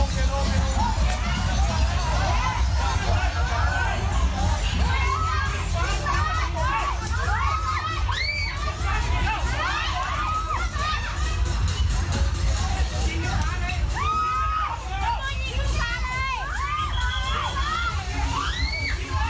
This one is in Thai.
เกี่ยวต้านไม่รู้อ่ะถูกมากเลย